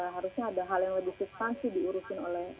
harusnya ada hal yang lebih substansi diurusin oleh